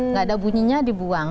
tidak ada bunyinya dibuang